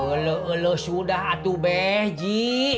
eluh eluh sudah atuh beh ji